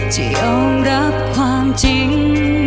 จะยอมรับความจริง